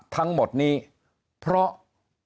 ทั้งหมดนี้เพราะ